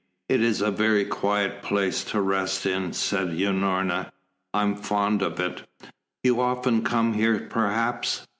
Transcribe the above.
"It is a very quiet place to rest in," said Unorna. "I am fond of it." "You often come here, perhaps."